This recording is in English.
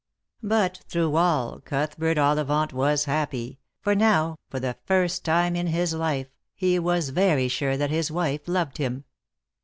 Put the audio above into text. But through all Cuthbert Ollivant was happy, for now, for the first time in his life, he was very sure that his wife loved him.